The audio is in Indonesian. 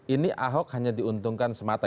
ini ahok hanya diuntungkan semata